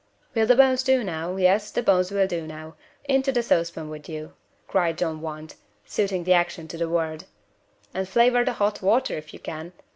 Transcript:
Will the bones do now? Yes, the bones will do now. Into the saucepan with you," cried John Want, suiting the action to the word, "and flavor the hot water if you can!